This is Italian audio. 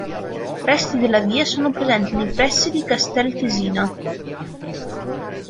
Resti della via sono presenti nei pressi di Castello Tesino.